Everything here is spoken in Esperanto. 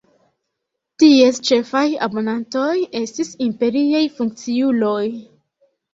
Ties ĉefaj abonantoj estis imperiaj funkciuloj.